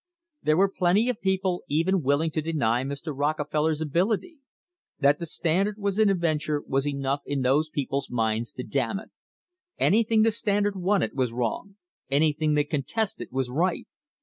There were plenty of people even willing to deny Mr. Rockefeller ability. That the Standard was in a venture was enough in those people's minds to damn it. Anything the Standard wanted was wrong, anything they contested was right.